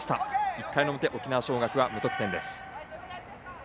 １回表、沖縄尚学は無得点です。